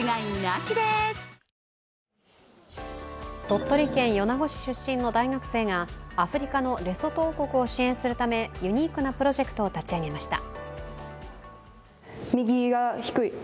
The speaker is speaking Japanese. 鳥取県米子市出身の大学生がアフリカのレソト王国を支援するためユニークなプロジェクトを立ち上げました。